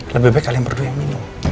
lebih baik saling berdua yang minum